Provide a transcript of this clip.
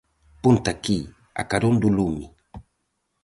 Ponte aquí, a carón do lume.